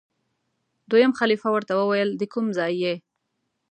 دویم خلیفه ورته وویل دکوم ځای یې؟